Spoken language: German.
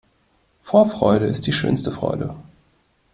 Vorfreude ist die schönste Freude.